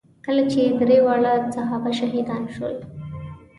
کله چې درې واړه صحابه شهیدان شول.